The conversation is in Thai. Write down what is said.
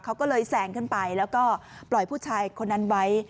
เขาก็เลยแซงขึ้นไปแล้วก็ปล่อยผู้ชายคนนั้นไว้